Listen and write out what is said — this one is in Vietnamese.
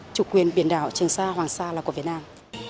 chủ quyền biển đảo trường sa hoàng sa là của việt nam